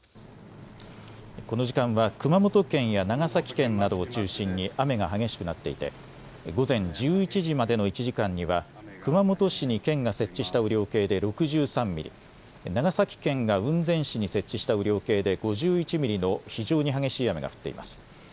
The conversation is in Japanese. この時間は熊本県や長崎県などを中心に雨が激しくなっていて午前１１時までの１時間には熊本市に県が設置した雨量計で６３ミリ、長崎県が雲仙市に設置した雨量計で５１ミリの非常に激しい雨が降っています。